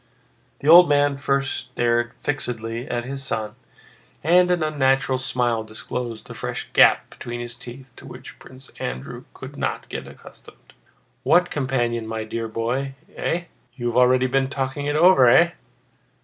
The old man at first stared fixedly at his son, and an unnatural smile disclosed the fresh gap between his teeth to which Prince Andrew could not get accustomed. "What companion, my dear boy? Eh? You've already been talking it over! Eh?"